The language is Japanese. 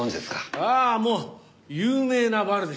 ああもう有名なワルでした。